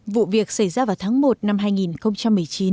vụ việc xảy ra vào tháng một năm hai nghìn một mươi chín